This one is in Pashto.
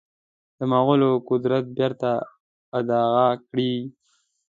د مغولو قدرت بیرته اعاده کړي.